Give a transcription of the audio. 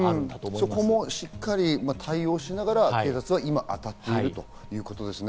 そこもしっかり対応しながら警察は今当たっているということですね。